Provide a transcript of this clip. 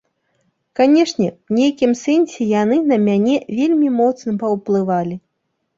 Канешне, у нейкім сэнсе яны на мяне вельмі моцна паўплывалі.